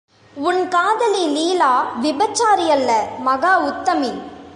உன் காதலி லீலா விபச்சாரியல்ல மகா உத்தமி.